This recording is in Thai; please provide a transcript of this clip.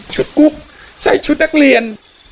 กุ๊กใส่ชุดนักเรียน